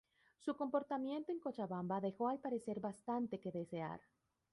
Su comportamiento en Cochabamba dejó al parecer bastante que desear.